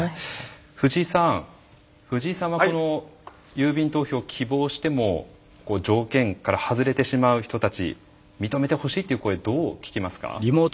藤井さん藤井さんはこの郵便投票を希望しても条件から外れてしまう人たち認めてほしいという声どう聞きますか？